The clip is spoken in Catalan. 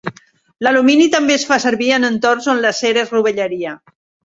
L'alumini també es fa servir en entorns on l'acer es rovellaria.